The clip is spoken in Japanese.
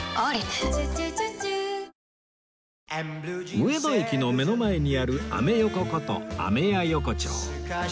上野駅の目の前にあるアメ横ことアメヤ横丁